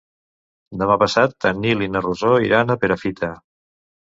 Demà passat en Nil i na Rosó iran a Perafita.